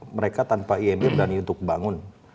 mereka tanpa imb berani untuk bangun